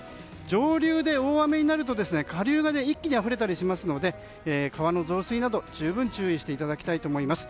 上流で大雨になると下流で一気にあふれたりしますので川の増水など十分注意していただきたいと思います。